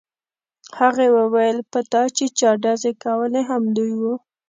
هغې وویل په تا چې چا ډزې کولې همدی و